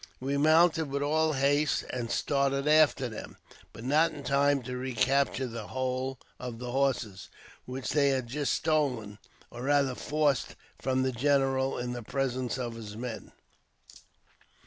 We mounted with all haste and started after them, but not in time to recapture the whole of the horses, which they had just stolen, or, rather, forced from the general in the presence of his men.